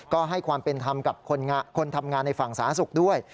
ก็ให้ความเป็นธรรมกับคนทำงานในฝั่งสาธารณสุขด้วย